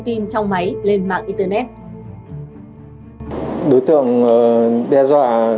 tin trong máy lên mạng internet